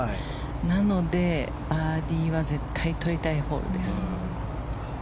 なので、バーディーは絶対にとりたいホールです。